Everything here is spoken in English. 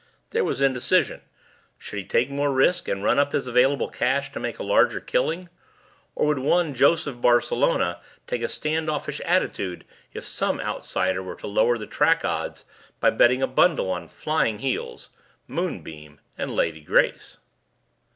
There was indecision. Should he take more risk and run up his available cash to make a larger killing, or would one Joseph Barcelona take a stand offish attitude if some outsider were to lower the track odds by betting a bundle on Flying Heels, Moonbeam, and Lady Grace."